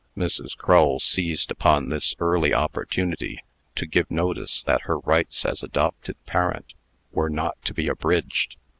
Mrs. Crull seized upon this early opportunity to give notice that her rights as adopted parent were not to be abridged.